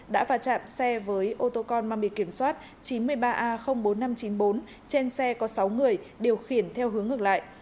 đã và chạm xe với ô tô con mang bì kiểm soát chín mươi ba a bốn nghìn năm trăm chín mươi bốn trên xe có sáu người điều khiển theo hướng ngược lại